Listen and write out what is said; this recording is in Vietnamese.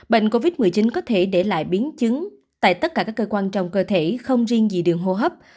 bệnh covid một mươi chín có thể để lại biến chứng tại tất cả các cơ quan trong cơ thể không riêng gì đường hô hấp